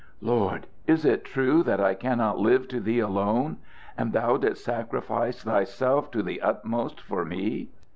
"Lord, is it true that I cannot live to Thee alone? And Thou didst sacrifice Thyself to the utmost for me!